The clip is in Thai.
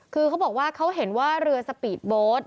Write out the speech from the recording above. คือเขาบอกว่าเขาเห็นว่าเรือสปีดโบสต์